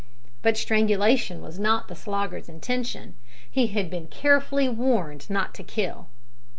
But strangulation was not the Slogger's intention. He had been carefully warned not to kill.